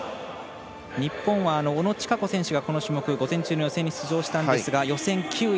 日本は小野智華子選手がこの種目、午前中の予選に出場したんですが予選９位。